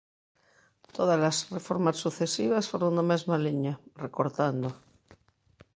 Todas as reformas sucesivas foron na mesma liña, recortando.